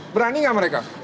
berani gak mereka